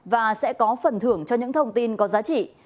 và sẽ có phần thưởng cho những thông tin có giá trị